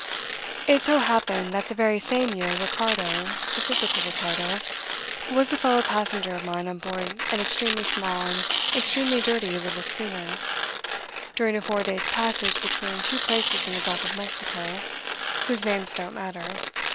It so happened that the very same year Ricardo the physical Ricardo was a fellow passenger of mine on board an extremely small and extremely dirty little schooner, during a four days' passage between two places in the Gulf of Mexico whose names don't matter.